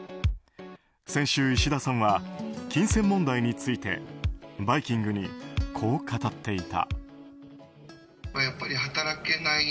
先週、いしださんは金銭問題について「バイキング」にこう語っていた。